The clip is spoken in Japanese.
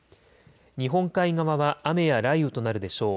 日本海側は雨や雷雨となるでしょう。